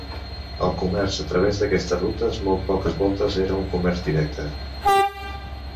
El comerç a través d'aquestes rutes molt poques voltes era un comerç directe.